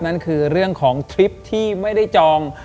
นั่นคือเรื่องของทริปที่ไม่ได้จอง